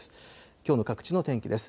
きょうの各地の天気です。